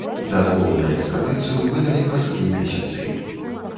Дазвол на экстрадыцыю выдалі праз тры месяцы.